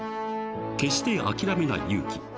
［決して諦めない勇気］